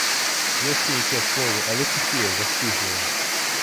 Ёсць нейкія словы, але сухія, застыглыя.